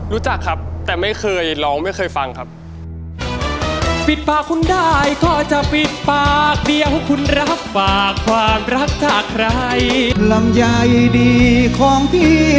รู้จักครับแต่ไม่เคยร้องไม่เคยฟังครับ